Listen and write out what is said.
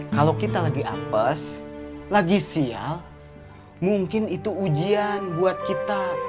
kalau kita lagi apes lagi sial mungkin itu ujian buat kita